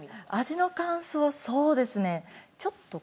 味の感想そうですね。